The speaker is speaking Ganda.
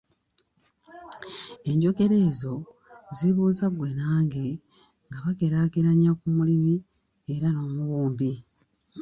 Enjogera ezo zibuuza ggwe nange, nga bageraageranya ku mulimi era n’omubumbi.